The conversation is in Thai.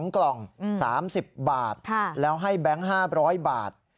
๒กล่อง๓๐บาทแล้วให้แบงค์๕๐๐บาท